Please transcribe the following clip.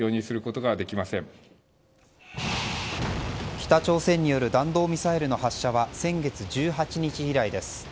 北朝鮮による弾道ミサイルの発射は先月１８日以来です。